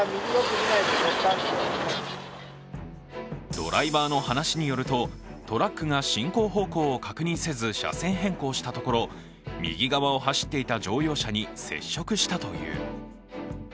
ドライバーの話によると、トラックが進行方向を確認せず車線変更したところ、右側を走っていた乗用車に接触したという。